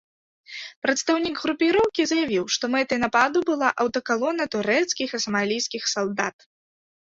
Прадстаўнік групоўкі заявіў, што мэтай нападу была аўтакалона турэцкіх і самалійскіх салдат.